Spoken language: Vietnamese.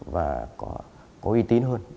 và có y tín hơn